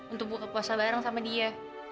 untuk buka puasa bareng sama dia